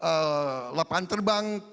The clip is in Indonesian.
dan lapangan terbang